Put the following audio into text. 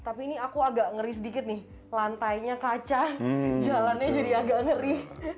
tapi ini aku agak ngeri sedikit nih lantainya kaca jalannya jadi agak ngeri